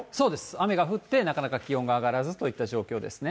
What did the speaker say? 雨が降って、なかなか気温が上がらずといった状況ですね。